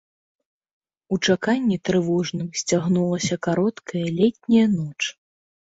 У чаканні трывожным сцягнулася кароткая летняя ноч.